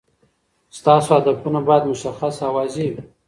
ستاسو هدفونه باید مشخص او واضح وي.